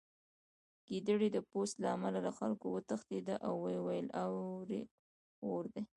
ګیدړې د پوست له امله له خلکو وتښتېده او ویې ویل اور دی